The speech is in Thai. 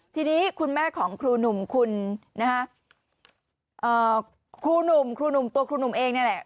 ทีนี้คุณแม่ของครูหนุ่มคุณนะฮะครูหนุ่มครูหนุ่มตัวครูหนุ่มเองนี่แหละ